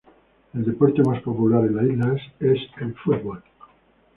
El deporte más popular en la isla es el fútbol.